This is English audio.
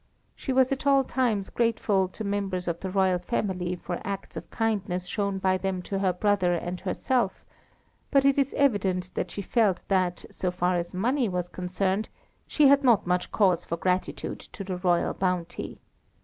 She was at all times grateful to members of the royal family for acts of kindness shown by them to her brother and herself; but it is evident that she felt that, so far as money was concerned, she had not much cause for gratitude to the royal bounty.